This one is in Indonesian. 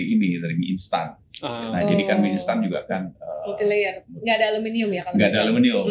ini dari instan nah jadikan instan juga kan multilayer nggak ada aluminium ya kalau gitu nggak ada aluminium